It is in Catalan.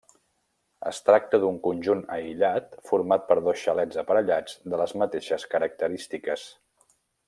Es tracta d'un conjunt aïllat format per dos xalets aparellats de les mateixes característiques.